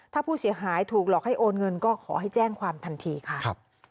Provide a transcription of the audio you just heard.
ถ้าผู้เสียหายถูกหลอกให้โอนเงินก็ขอให้แจ้งความทันทีค่ะ